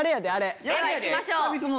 ではいきましょう。